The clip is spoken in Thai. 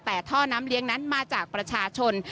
แต่ท่อน้ำเลี้ยงนั้นมาจากประชาชน